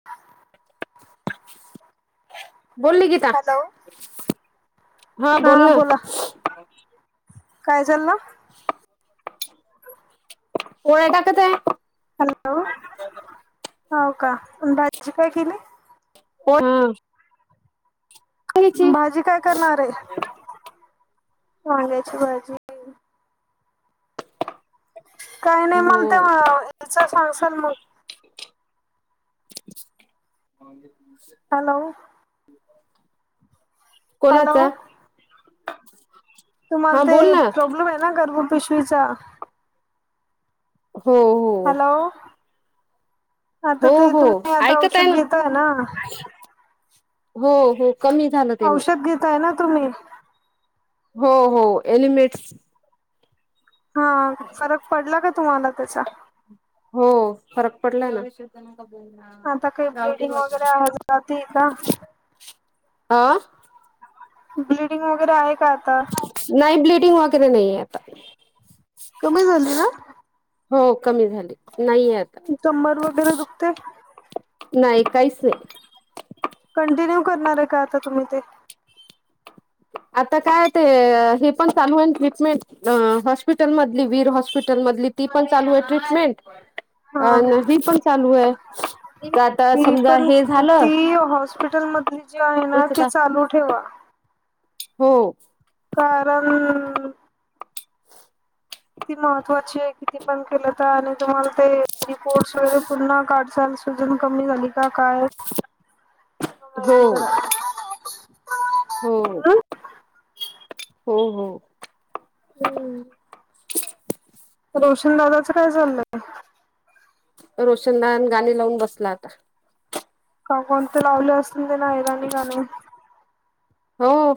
[inaudible] बोल नीकीता हॅलो हा बोल ना. काय झाल? पोळ्या टाकत ए. हॅलो. हाव का अन् भाजी काय केली? [unintelligible] घ्यायची भाजी काय करणाराय? वांग्याची भाजी. काय नाय हो मनतं ते याच सांगसाल मग. [unintelligible] हॅलो. कोणाचा? हॅलो तुम्हाला हा बोल ते ना प्रॉब्लेम आय ना गर्भ पिशवीचा? हो हो. हॅलो. आता हो ते हो तुम्ही आता ऐकत आय औषध ना घेताय हो हो कमी झालं त्यानी औषध घेताय ना तुम्ही? हो हो एलिमेंट्स हा फरक पडला का तुम्हाला त्याचा? हो फरक पडलाय ना. [inaudible] बोल ना. आता काय ब्लडिंग वगैरे आज जातिया का? आ? ब्लडिंग वगैरे आहे का आता? नाय ब्लीडिंग वैगेरे नाई आता. कमी झाली ना? हो कमी झाली नाईये आ कंबर वगैरे दुखते? नाही काहीच नाय. कंटिन्यू करणार आय का आता तुम्ही ते? आता काय ते हे पण चालू आय ना ट्रीटमेंट. अ हॉस्पिटल मधली वीर हॉस्पिटल मधली ती पण चालू आय ट्रीटमेंट. हा अन् ही पण चालू आय. ती पण ती हॉस्पिटल मधली जी आहे ना त्याच ती आता चालू ठेवा. हो. कारण ती महत्त्वाची आय किती पण केलं तर आणि तुम्हाला ते रिपोर्टस वगैरे पुन्हा काढसाल सुजन कमी झाली का काय हो. माहिती करा हो हो हो. हम्म. रोशन दादाचं काय चाललंय? रोशनदान गाणी लावून बसला आता. का कोणत लावलं असल तेन ऐराणी गाणं हो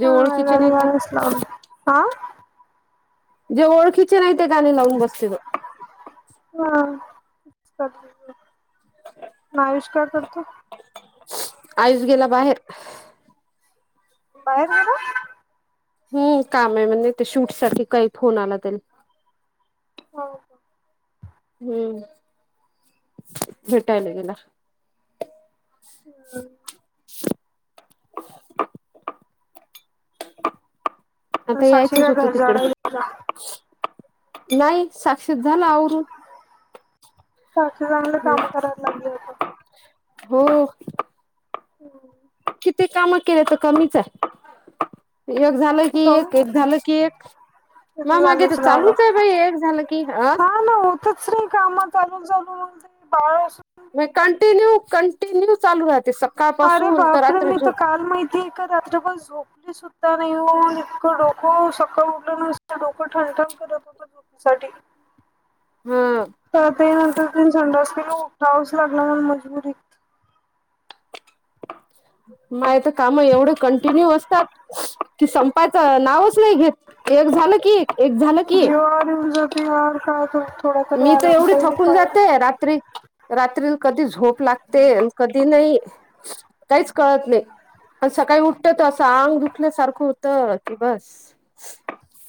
जे हं ओळखीचे या नाही ते वेळेलास लावलं आ जे ओळखीचे नाही ते गाणी लावून बसतील. हा विचारतो अन आयुष काय करतो? आयुष गेला बाहेर बाहेर गेला हम्म काम आहे म्हणे ते शूट साठी काय फोन आला त्याले हो का हम्म भेटायल गेला. हम्म आता साक्षी यायचच काय होत घर तिकड झाडायला गेला. नाही साक्षीच झाला आवरून साक्षी चांगल काम करायला लागली आता हो हम्म किती कामं केले तर कमीच आहे एक झालं ए कि काऊन? एक एक झालं की एक मग तिथे मागे तर राहावं चालूच आहे बाई एक झालं की एक अं त्याच काय कामं चालू झालं म्हणून त्या बाळ असं मी कंटिन्यू कंटिन्यू चालू राहते सक अरे बापरे मी तर काल माहितीय आहे का रात्रभर झोपली सूद आता नाही ओ इतकं डोकं सकाळ उठल नसतं डोकं ठणठण करत होत. हा [unintelligible] तर ते नंतर ते संडास केल उठावच लागल मजबुरी मला तर काम एवढ कंटिन्यू असतात. कि संपायचं नावच नाही घेत एक झालं की एक एक झालं की एक [unintelligible] [unintelligible] मी तर आराम एवढी पाहिजे थकून काय जाते रात्री रात्री न कधी झोप लागते अन कधी नाही काहीच कळत नाही. आणि सकाळी उठत त असं आंग दुखल्यासारखं होत कि बस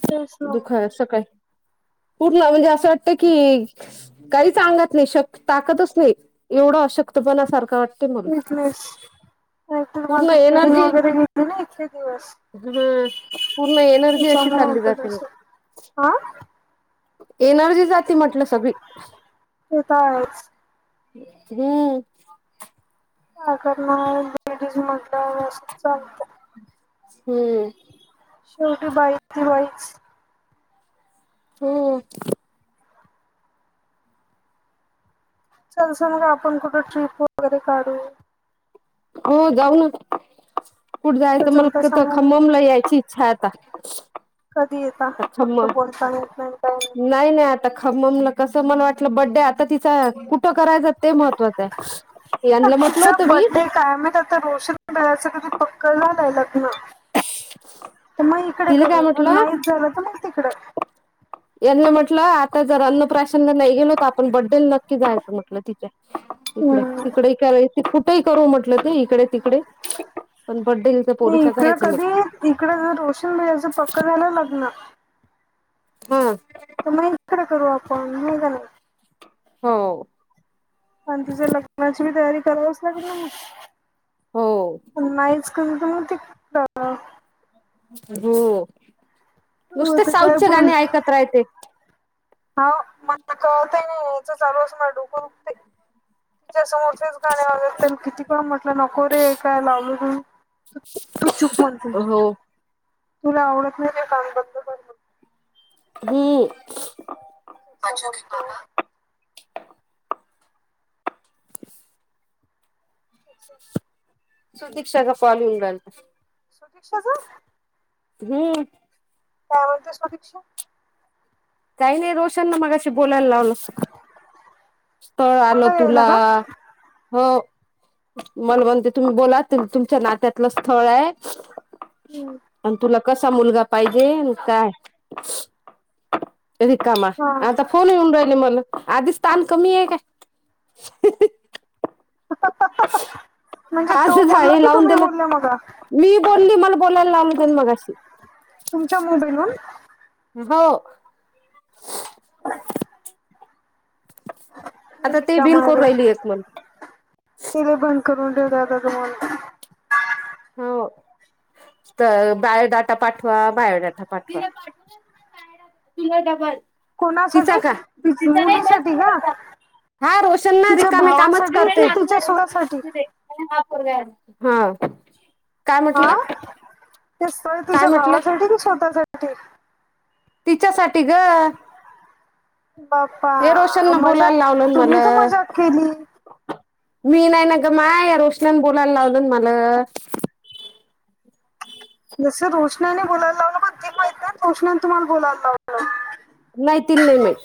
तेच ना. दुख आहे सकाळी पूर्ण म्हणजे असं वाटत की काहीच आगात नाही शक ताकतच नाही एवढं अशक्तपणा सारखं वाट वीकनेस कायतर पूर्ण मागे ब्लिडींग वगैरे घेतली नाही इतके दिवस हं पूर्ण एनर्जी अशी चालली जाते मग आ एनर्जी जाती म्हटलं सगळी ते तर आहेच. [unintelligible] काय करणार लेडीज म्हटल्यावर असं चालतं. हम्म शेवटी बाईस ती बाईच हम्म चालस मग आपण कुठं ट्रिप वगैरे काढू हो जाऊन. कुठे कुठं जायच मला चलता क त सांगा ना खांबमला यायची इच्छाय आता. कधी येता फक्त खम्मम बोलता. येत नाही काही नाही. नाही नाही आता खममला कसं मला वाटलं बड्डे आता तिचा. कुठं करायचं ते महत्त्वाच. यांनला म्हटलं तिचा होत मी. बड्डे काय माहित आता, रोशन भैयाचं कधी पक्क झालंय लग्न. त म इकडे तिला काय करू. म्हटलं नाहीच झालं तर मग तिकडे. यांना म्हटलं आता जर अन्नप्राशनला नाही गेलो त. आपण बड्डेला नक्की जायचं म्हटलं तिच्या. इकड. हम्म तिकडे कारायच ते कुठेही करू म्हटलं ते. इकडे तिकडे. पण बडडेला नाही इकड कधी, इकड न रोशन भैयाचं पक्क झाल लग्न. ह. त म इकडे करू आपण. नाही झाल हो. अन तीच्या लग्नाची बी तयारी करावीच लागेल ना म. हो अन नाहीच नाही तमग ती हो हो नुसते तर काय साऊथचे गाणे ऐकत राहते. हाव मला कळतय नाही. ईचं चालू अस. माझ डोक दुखतंय. तिच्या समोरचेच गाणे वाजवायचेन, कितीक म्हटलं नको रे. काय लावल तू? तू चूप म्हणते. हो तुला आवडत नाहीय कान बंदकर. हम्म. अचज क [unintelligible] सुदिकक्षाचा कॉल येऊन राहिला. सुदिक्षा चा? हम्म. काय म्हणतेस सुदिक्षा? काही नाही. रोशनन मगाशी बोलायला लावलं. स्थळ आलं तुम्हाला यायला तुला. का हो. मला म्हणते. तुम्ही बोला. तुमच्या नात्यातलंच स्थळय. अन तुला कसा मुलगा पाहिजे? काय? रिकामा. हा आता फोन येऊन राहिले मला. आधीच तान कमीय काय? [unintelligible] तो आसच बोलला आहे की लावून तुम्ही दिल. बोलल्या मगा मी बोलली मला बोलायला लावल त्यानी मगाशी. तुमच्या मुबईवून? हो. आता ते का बिन मार करू राहिली एक मला त [unintelligible] बंद करून ठऊ द तुमला हो. तर बायोडाटा पाठवा. बायोडाटा पाठवा. तिचा का? कोणासाठी तिचा नाही त्या मुलीसाठी का पोराचा. हा रोशन ना तिच्या रिकामे कामच भावासाठी कि करतोय. तिच्या सुनासाठी [inaudible] ह. हा. ते स्थळ काय तीच्या म्हटलं भावासाठी की, स्वतःसाठी? तिच्यासाठी ग. हे रोशन बाप्पा न बोलायला मजाक लावलं तुम्ही मला. तर मजाक केली मी नाही न गं माय, या रोशन्यान बोलायला लावलंन मला. जस रोषणाने बोलायला लावलं, पण ती म्हणते ना रोशणाने तुम्हाला बोलायला लावलं. हो [unintelligible] नाही, तीला नाही माहीत.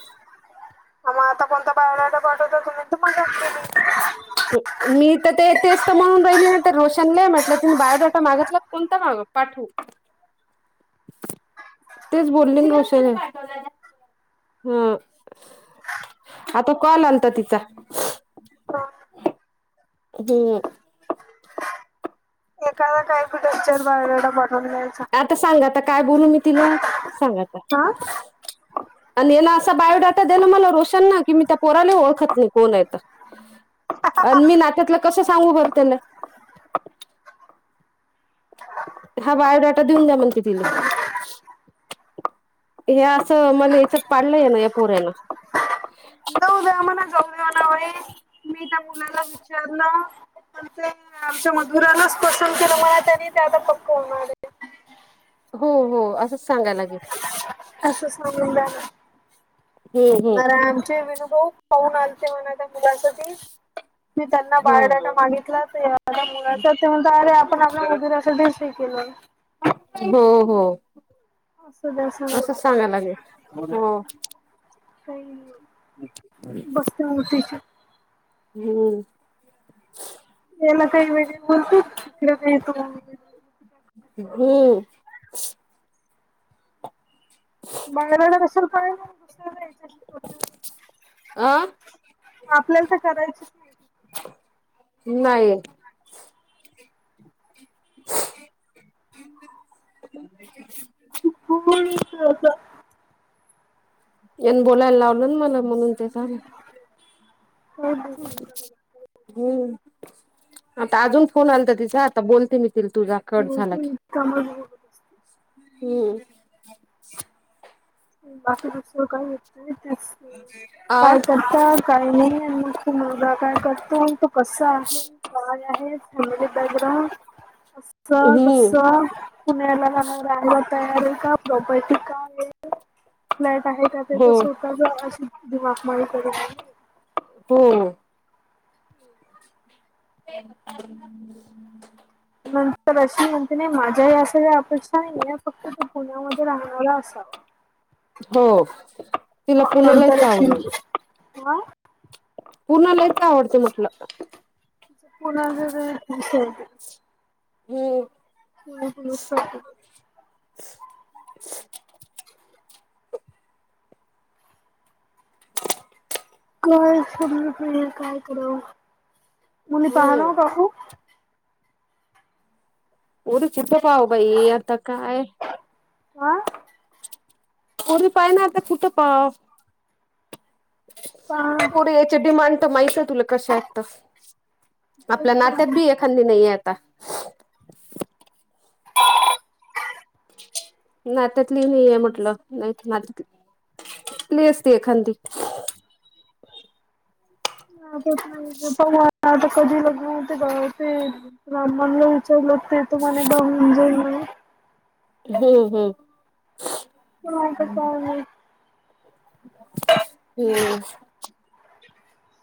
म आता कोणता बायोडाटा पाठवतोय. [inaudible] मी त- ते तेचत म्हणून राहिली ना ते रोशनले, म्हटलं तिन बायोडाटा मागितला कोणता माग पाठू. ह [inaudible] तेच बोलेना, रोशाने हा. आता कॉल आलता तिचा. [inaudible] हो [unintelligible] एकावर काय टेक्चर बायोडाटा पाठवून देयचा. आता सांगा आता काय बोलू मी तिला सांगा आता [inaudible] आणि याला असा बायोडाटा दिला मला रोशन ना, की मी त्या पोराने ओळखत नाही कोण आहे तर? [inaudible] आणि मी नात्यातलं कसं सांगू बर त्यांना. हा बायोडाटा देऊन द्या, म्हणते तिले. हे असं मला याचत पाडलंय ना. या पोऱ्यान. म जाऊ देवा नावे. मी त्या मुलाला विचारलं. आमच्या मधुराला पसंद केलं, मला तरी ते आता पक्क होणार आहे. हो हो असंच सांगायला लागेल. अस सांगून द्या हम्म ना, आमचे विनू भाऊ पाहून आलते म्हणा त्या मुलासाठी मी त्यांना हम्म बायोडाटा मागितला नाही त्या मुलाचा, ते म्हणत अरे आपण आपल्या मुलीसाठीच केलं. हो हो, असू द्या सांगून असं आता सांगायला लागेल हो. काही बसते मोतीच्या [unintelligible] हम्म. त्याला काही वेगळं [unintelligible] हो. बायोडाटा कशाला पाहिजे? दुसरा द्यायचा ना. अ आपल्याला तर करायच. नाही. असं [unintelligible] यान बोलायला लावल ना मला, म्हणून ते झालं. [inaudible] नाही. हम्म, आता अजून फोन आलता तिचा, आता बोलते मी तुझा कट झाला की, ती कामच बोलत असते हम् बाकी दुसरं काही हो [unintelligible] त्या आ? काय करता काही नाही आणि मग तो मुलगा काय करतो? तो कसा आहे. काय आहे फॅमिली बॅकग्राऊंड? तस हम्म. पुण्याला राहायला तयार आहे का? प्रॉपर्टी काय आहे. फ्लॅट आहे का हो. त्याचा स्वतःचा? अशी दती मागणी करत आहे. हम्म. [inaudible] नंतर अशी म्हणते नाही माझ्या या अशा या अपेक्षा आहे या फक्त तु पुण्यामध्ये राहणारा असावा. हो तिला पुण लयच आवडेल. आ? पुण लयच आवडत. च म्हटलं पुण्याचा [inaudible] पुण - पुणच करत. काय समजत नाहीय काय कराव? कुणी पाह ना हम्म. ओ काकू ओर चिप पाव बाई आता काय? हा पोरी पाहीन आता कुठ पाव? पहा पोरी याच्या डिमांड तर माहित आहे तुला कशाय तर? ते आपल्या नात्यात बी एखांदी नाहीये आता. नात्यातली नाही आहे म्हटलं नाहीतर नात्यातली आणली असती एखांदी. हा तेच ना पण आता कधी लग्न होतंय त्यावेळी ते ब्राह्मणला चलत ते तुम्हाला बघून जाईल म्हणे. हम्म हम्म. हं आता काय नाही. हम्म.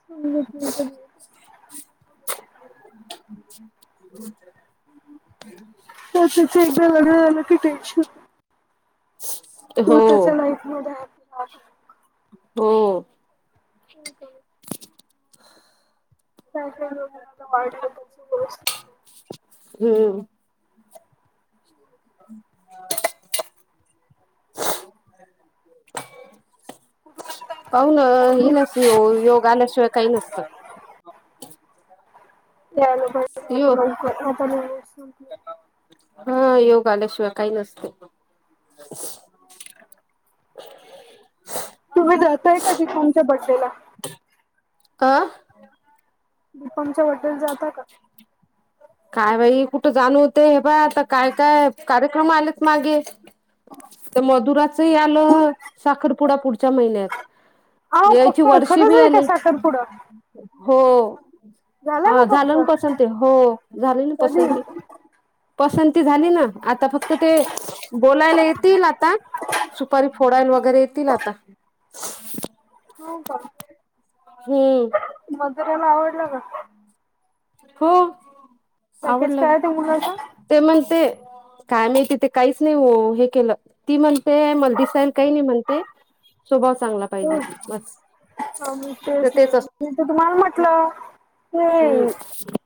सांगितली तर [unintelligible] त्या तिथं एकदा लग्न झालं की टेन्शन तो हो त्याच्या लाईफ मध्ये आ हो. [inaudible] [unintelligible] हम्म. [inaudible] पाहु ना इल अस यो - योग आल्याशिवाय काही नसतं. यायला पाहिजे आता योग लवकर आता [unintelligible] हा योग आल्याशिवाय काही नसत. तुम्ही जाताय कधी तुमच्या बड्डे ला? आ? तुमच्या बड्डेला जाताय का? काय बाई कुठं जाण होतंय? हे पहा. आता काय - काय कार्यक्रम आलेत मागे. ते मधुराच हे आलं साखरपुडा पुढच्या महिन्यात. हा याची पक्क वर्षी खरंच बी आहे का आली. साखरपुडा हो झाला हा का झालं पक्क ना पसंत ते? हो झाली ना कधी? पसंती? पसंती झाली ना. आता फक्त ते बोलायला येतील आता. सुपारी फोडायला वगैरे येतील आता. हाव का? हम्म. मधुरेला आवडलं का? हो. पॅकेज आवडलं काय आहे त्या ना. मुलाचं? ते म्हणते काय माहिती ते काहीच नाही हे केलं ती म्हणते मला दिसायला काही नाही म्हणते. स्वभाव चांगला. हो पाहिजे बस हा मग तिचं तेच ना मी असत तर तुम्हाला म्हटलं. होये [unintelligible] [inaudible]